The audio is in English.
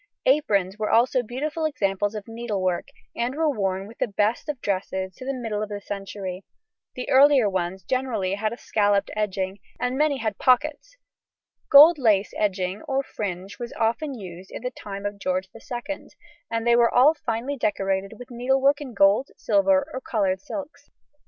Aprons were also beautiful examples of needlework, and were worn with the best of dresses to the middle of the century; the earlier ones generally had a scalloped edging, and many had pockets; gold lace edging or fringe was often used in the time of George II, and they were all finely decorated with needlework in gold, silver, or coloured silks.